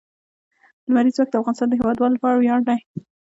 لمریز ځواک د افغانستان د هیوادوالو لپاره ویاړ دی.